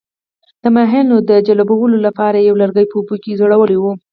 د ماهیانو د جلبولو لپاره یې یو لرګی په اوبو کې ځړولی وو.